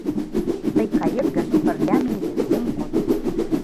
Тый кает гын, пырля мийыде ом код.